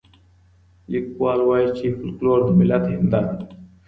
ليکوال وايي چي فولکلور د ملت هنداره ده.